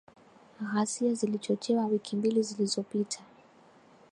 Ghasia zilizochochewa wiki mbili zilizopita